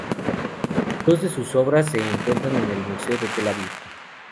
Dos de sus obras se encuentran en el museo de Tel-Aviv.